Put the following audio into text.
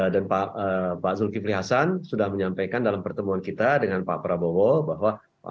dan pak zulkifli hasan sudah menyampaikan dalam pertemuan kita dengan pak prabowo bahwa